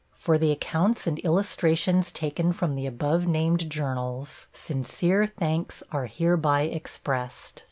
For the accounts and illustrations taken from the above named journals, sincere thanks are hereby expressed.